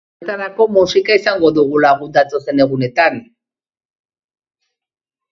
Horretarako, musika izango dugu lagun datozen egunetan.